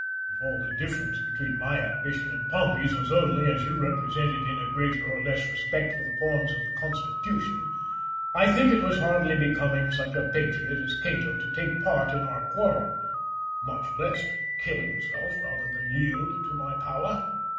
Caesar. If all the difference between my ambition and Pompey's was only, as you represent it, in a greater or less respect for the forms of the constitution, I think it was hardly becoming such a patriot as Cato to take part in our quarrel, much less to kill himself rather than yield to my power.